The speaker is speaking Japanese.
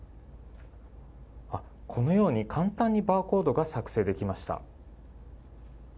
簡単にバーコードが作成できました。